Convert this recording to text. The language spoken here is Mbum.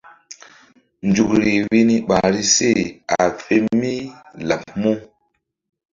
Nzukri vbi ni ɓahri a fe mí laɓ mu?